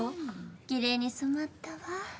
きれいに染まったわ。